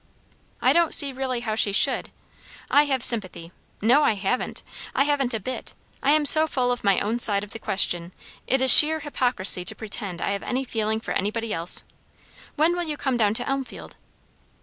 "I don't see really how she should. I have sympathy no, I haven't! I haven't a bit. I am so full of my own side of the question, it is sheer hypocrisy to pretend I have any feeling for anybody else. When will you come down to Elmfield?"